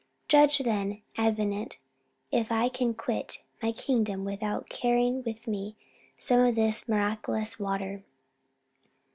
Judge then, Avenant, if I can quit my kingdom without carrying with me some of this miraculous water."